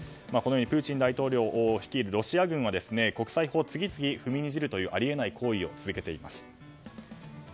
このようにプーチン大統領率いるロシア軍は国際法を次々と踏みにじるというあり得ない行為を続けています。